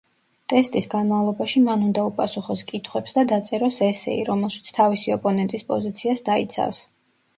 ტესტის განმავლობაში მან უნდა უპასუხოს კითხვებს და დაწეროს ესეი, რომელშიც თავისი ოპონენტის პოზიციას დაიცავს.